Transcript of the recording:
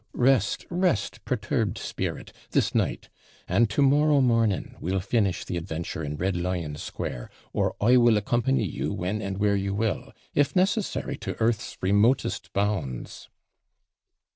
'Rest, rest, perturbed spirit! this night; and to morrow morning we'll finish the adventure in Red Lion Square, or I will accompany you when and where you will; if necessary, to earth's remotest bounds.'